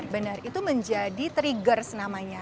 benar itu menjadi trigger senamanya